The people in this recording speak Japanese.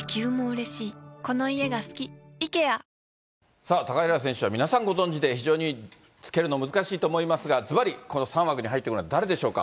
さあ、高平選手は皆さんご存じで、非常につけるの難しいと思いますが、ずばり、この３枠に入ってくるのは誰でしょうか？